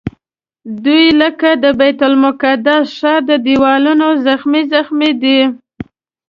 دوی لکه د بیت المقدس ښار د دیوالونو زخمي زخمي دي.